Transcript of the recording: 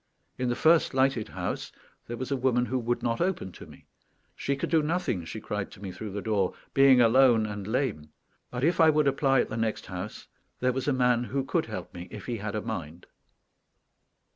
In the first lighted house there was a woman who would not open to me. She could do nothing, she cried to me through the door, being alone and lame; but if I would apply at the next house there was a man who could help me if he had a mind.